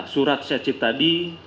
surat secit tadi